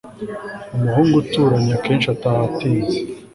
umuhungu uturanye akenshi ataha atinze